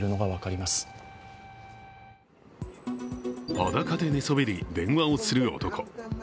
裸で寝そべり、電話をする男。